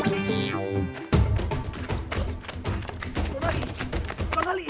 tuan wali tuan wali